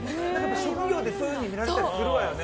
職業で、そういうの言われたりするわよね。